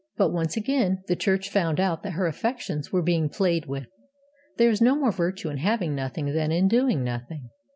But once again the Church found out that her affections were being played with. There is no more virtue in Having Nothing than in Doing Nothing.